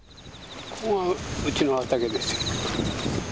ここがうちの畑ですよ。